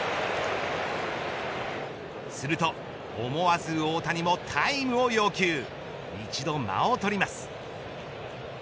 すると思わず大谷もタイムを要求一度間を取ります。